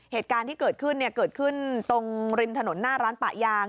เหตุการณ์ที่เกิดขึ้นเกิดขึ้นตรงริมถนนหน้าร้านปะยาง